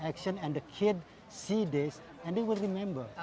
aksinya dan anak anak melihat ini dan mereka akan ingat